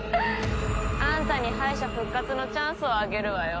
あんたに敗者復活のチャンスをあげるわよ